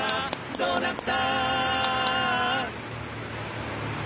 「どうなった！」